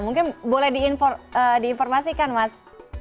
mungkin boleh diinformasikan mas